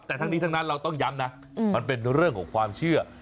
แต่ทั้งนี้ทั้งนั้นเราต้องย้ำนะมันเป็นเรื่องของความเชื่อ